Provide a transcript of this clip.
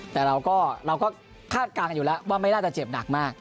แต่เราก็คาดการณ์กันอยู่แล้วว่าไม่น่าจะเจ็บหนักมาก